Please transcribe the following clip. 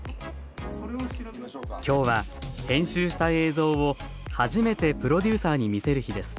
今日は編集した映像を初めてプロデューサーに見せる日です